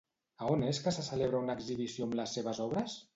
A on és que se celebra una exhibició amb les seves obres?